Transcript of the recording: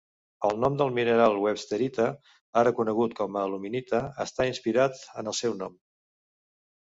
El nom del mineral websterita, ara conegut com a aluminita, està inspirat en el seu nom.